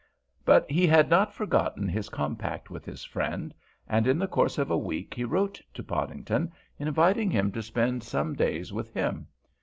But he had not forgotten his compact with his friend, and in the course of a week he wrote to Podington, inviting him to spend some days with him.